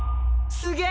すげえ！